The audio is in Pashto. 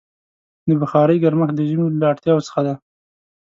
د بخارۍ ګرمښت د ژمي له اړتیاوو څخه دی.